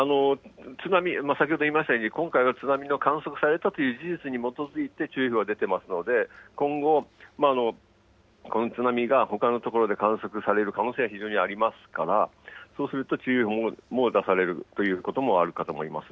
津波、先ほども言いましたように、今回は津波の観測されたという事実に基づいて注意報が出ていますので、今後、この津波がほかの所で観測される可能性は非常にありますから、そうすると注意報も出されるということもあるかと思います。